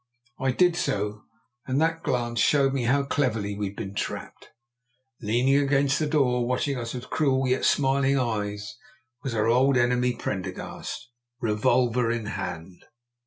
I did so, and that glance showed me how cleverly we'd been trapped. Leaning against the door, watching us with cruel, yet smiling eyes, was our old enemy Prendergast, revolver in hand.